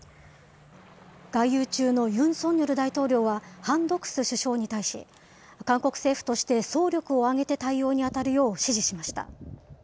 外遊中のユン・ソンニョル大統領はハン・ドクス首相に対し、韓国政府として総力を挙げて対応に当たるよう指示しました。